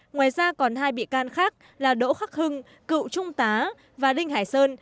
ngoài ra còn hai bị can khác là đỗ khắc hưng cựu trung tá và đinh hải sơn